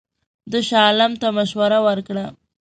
ده شاه عالم ته مشوره ورکړه.